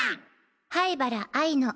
灰原哀の。